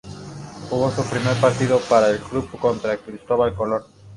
Jugó su primer partido para el club contra Cristóbal Colón.